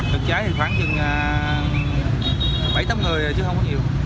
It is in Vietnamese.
được cháy thì khoảng bảy tám người rồi chứ không có nhiều